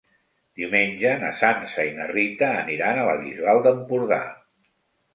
Diumenge na Sança i na Rita aniran a la Bisbal d'Empordà.